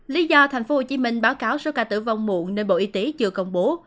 lý do tp hcm báo cáo số ca tử vong muộn nên bộ y tế chưa công bố